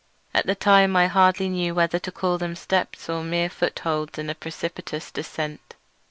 At the time I hardly knew whether to call them steps or mere foot holds in a precipitous descent.